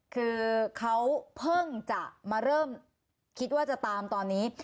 คือเขาเพิ่งจะมาเริ่มคิดว่าจะตามตอนนี้